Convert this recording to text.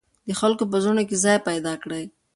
د خلکو په زړونو کې ځای پیدا کړئ.